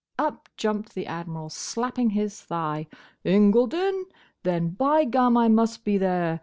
Up jumped the Admiral, slapping his thigh. "Incledon! Then, by gum, I must be there!